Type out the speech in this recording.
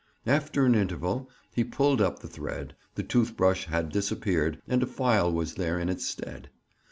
After an interval he pulled up the thread; the tooth brush had disappeared and a file was there in its stead.